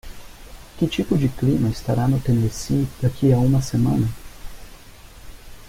Que tipo de clima estará no Tennessee daqui a uma semana?